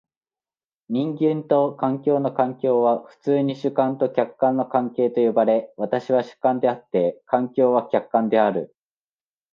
人間と環境の関係は普通に主観と客観の関係と呼ばれ、私は主観であって、環境は客観である。